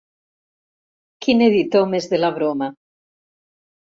Quin editor més de la broma!